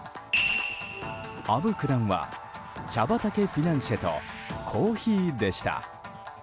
羽生九段はＣＨＡＢＡＴＡＫＥフィナンシェとコーヒーでした。